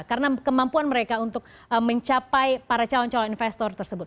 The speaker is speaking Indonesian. karena kemampuan mereka untuk mencapai para calon calon investor tersebut